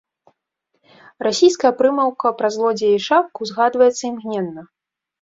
Расійская прымаўка пра злодзея і шапку згадваецца імгненна.